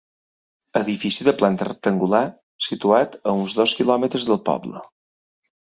Edifici de planta rectangular, situat a uns dos quilòmetres del poble.